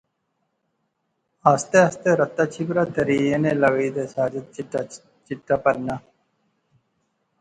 آہستہ آہستہ رتا چھپرا تہری اینے لاغی تہ ساجد چٹا پرنا